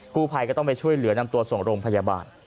กู้ภัยก็ต้องไปช่วยเหลือนำตัวส่งโรงพยาบาล